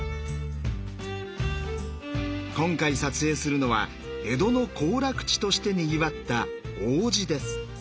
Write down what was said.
今回撮影するのは江戸の行楽地としてにぎわった王子です。